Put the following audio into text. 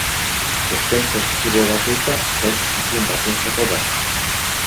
Txosten positibo bakoitza gaixo jakin batentzako da.